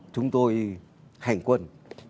chúng tôi hành quân